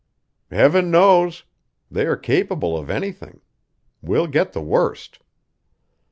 "Heaven knows. They are capable of anything. We'll get the worst."